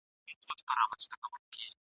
په کوهي کي پر اوزګړي باندي ویر سو ..